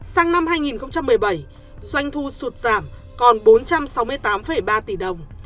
sang năm hai nghìn một mươi bảy doanh thu sụt giảm còn bốn trăm sáu mươi tám ba tỷ đồng